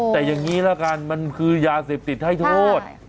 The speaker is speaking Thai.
แต่อย่างนี้ละกันมันคือยาเสพติดให้โทษ